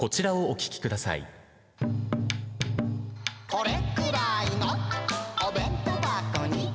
「これっくらいのおべんとうばこに」